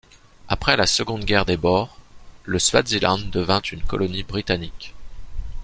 Après la Seconde Guerre des Boers, le Swaziland devint une colonie britannique.